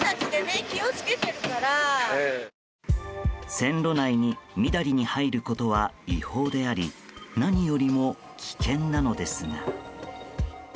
線路内にみだりに入ることは違法であり何よりも危険なのですが。